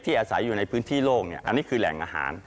อาศัยอยู่ในพื้นที่โล่งอันนี้คือแหล่งอาหาร